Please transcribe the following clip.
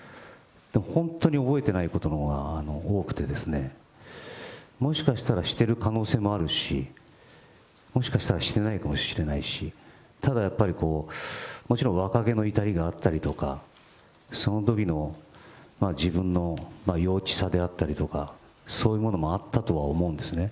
本当に覚えてないことのほうが多くてですね、もしかしたらしてる可能性もあるし、もしかしたらしてないかもしれないし、ただやっぱり、もちろん若気の至りがあったりとか、そのときの自分の幼稚さであったりとか、そういうものもあったとは思うんですね。